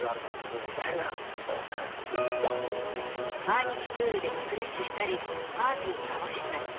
毎日プールでリフレッシュしたりパーティーを楽しんだり。